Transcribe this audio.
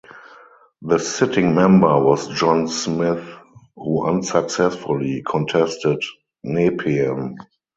The sitting member was John Smith who unsuccessfully contested Nepean.